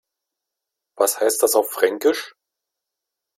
Was heißt das auf Fränkisch?